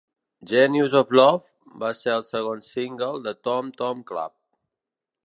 "Genius of Love" va ser el segon single de Tom Tom Club.